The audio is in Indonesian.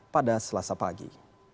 pada selasa pagi